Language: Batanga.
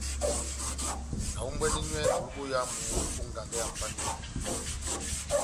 Nahombwɛndi nywɛ bulu boyamu ó ngangɛ ya Mʼpángeyi.